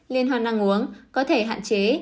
liên hoàn năng uống có thể hạn chế